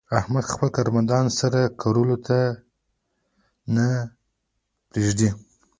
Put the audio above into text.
احمد خپل کارمندان د سر ګرولو ته نه پرېږي.